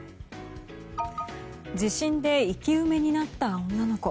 地震で生き埋めになった女の子。